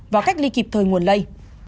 và cách ly kịp thời nguồn lây